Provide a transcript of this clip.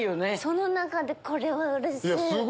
その中でこれはうれしい！